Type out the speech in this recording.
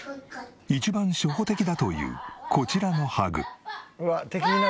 一番初歩的だというこちらのハグ。